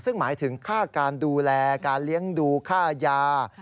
ซึ่งหมายถึงค่าการดูแลการเลี้ยงดูค่ายา